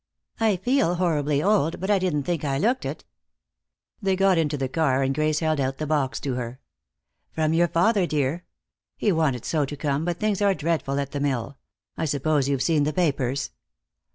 "I feel horribly old, but I didn't think I looked it." They got into the car and Grace held out the box to her. "From your father, dear. He wanted so to come, but things are dreadful at the mill. I suppose you've seen the papers."